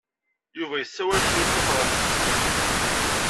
Yuba yessawal cwiṭ tafṛensist.